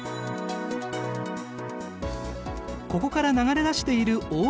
ここから流れ出している大井川だ。